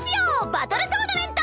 バトルトーナメント！